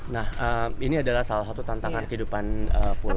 nah ini adalah salah satu tantangan kehidupan pulau